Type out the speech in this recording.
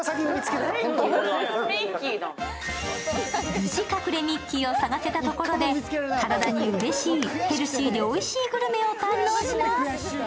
無事、隠れミッキーを探せたところで、体にうれしいヘルシーでおいしいグルメを堪能します。